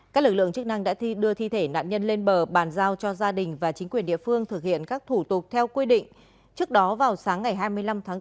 các lực lượng chức năng đã đưa thi thể nạn nhân lên bờ bàn giao cho gia đình và chính quyền địa phương thực hiện các thủ tục theo quy định trước đó vào sáng ngày hai mươi năm tháng bốn